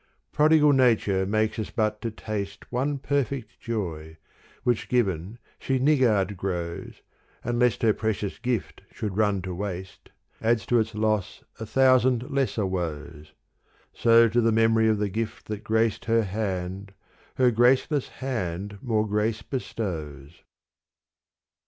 Prodigal nature makes us but to taste One perfect joy, which given she niggard grows And lest her precious gift should run to waste Adds to its loss a thousand lesser woes : So to the memory of the gift that graced Her hand, her graceless hand more grace bestows.